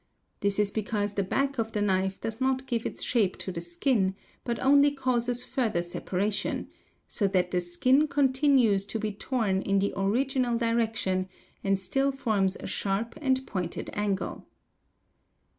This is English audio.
This is because the back of the knife does not give its shape to the skin, but only causes further separation, so that the | skin continues to be torn in the original direction and still forms a sharp and pointed angle.